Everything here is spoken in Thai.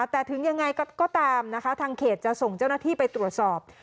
แต่ถึงยังไงก็ตามนะคะทางเขตจะส่งเจ้าหน้าที่ไปตรวจสอบ